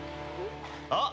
あっ。